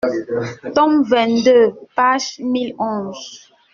tome XXII, page mille onze.